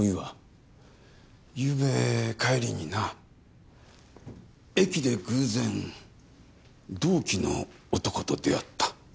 ゆうべ帰りにな駅で偶然同期の男と出会った。